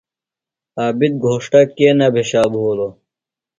عابد گھوݜٹہ کے نہ بھیشا بھولوۡ؟